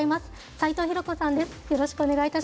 齊藤広子さんです。